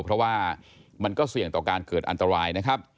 เพราะว่ามันก็เสี่ยงต่อการเกิดอันตรายนะครับ